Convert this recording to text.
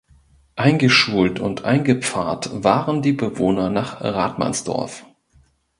Eingeschult und eingepfarrt waren die Bewohner nach Rathmannsdorf.